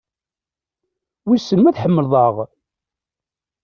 Wisen ma tḥemmleḍ-aɣ?